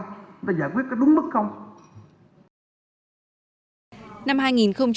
chúng ta giải quyết có đúng mức không